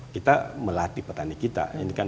kita melatih petani kita